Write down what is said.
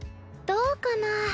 どうかなぁ。